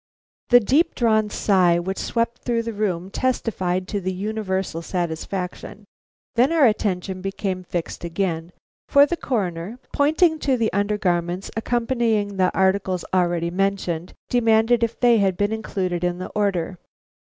The deep drawn sigh which swept through the room testified to the universal satisfaction; then our attention became fixed again, for the Coroner, pointing to the undergarments accompanying the articles already mentioned, demanded if they had been included in the order.